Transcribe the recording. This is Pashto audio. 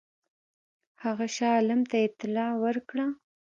هغه شاه عالم ته اطلاع ورکړه.